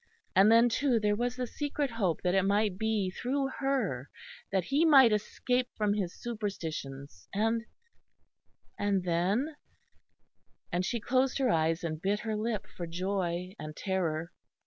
And then, too, there was the secret hope that it might be through her that he might escape from his superstitions, and and then and she closed her eyes and bit her lip for joy and terror.